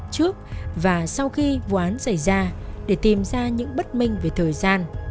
trước và sau khi vụ án xảy ra để tìm ra những bất minh về thời gian